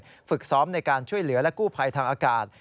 อุปสรรคสอบในการช่วยเหลือและกู้ไภทางอากาศ